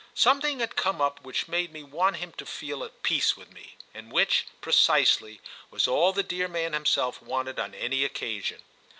Something had come up which made me want him to feel at peace with me—and which, precisely, was all the dear man himself wanted on any occasion.